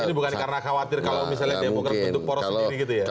ini bukan karena khawatir kalau misalnya demokrat bentuk poros sendiri gitu ya